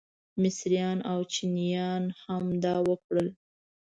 مصریان او چینیان هم دا وکړل.